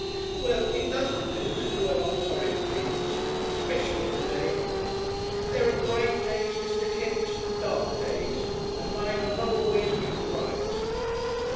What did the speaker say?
Well, it doesn't do to dwell on horrid things especially to day. There are bright days, Mr. Kipps, and dark days. And mine have not always been bright."